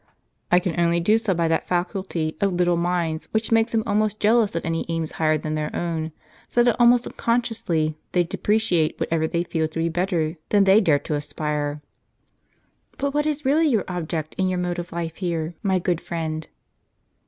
" I can only do so by that faculty of little minds which makes them always jealous of any aims higher than their own ; so that, almost unconsciously, they depreciate whatever they feel to be better than they dare aspire to." " But what is really your object and your mode of life here, my good friend